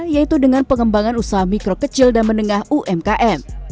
yaitu dengan pengembangan usaha mikro kecil dan menengah umkm